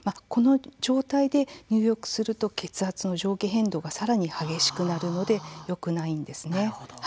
この状態で入浴をすると血圧の上下変動がさらに激しくなるのでよくないんですね。